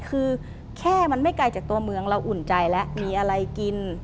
คือแค่มันไม่ไกลจากตัวเมืองเราอุ่นใจแล้วมีอะไรกิน